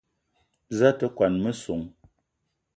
Za a te kwuan a messong?